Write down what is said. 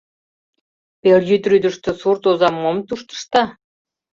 Пелйӱд рӱдыштӧ сурт оза мом тушто ышта?